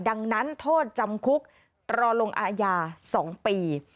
ดังนั้นโทษจำคุกรอลงอาญา๒ปี